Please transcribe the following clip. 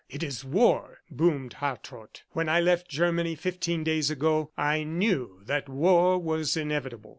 "It is war," boomed Hartrott. "When I left Germany, fifteen days ago, I knew that war was inevitable."